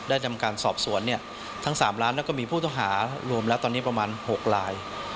ทำการสอบสวนทั้ง๓ล้านแล้วก็มีผู้ต้องหารวมแล้วตอนนี้ประมาณ๖ลาย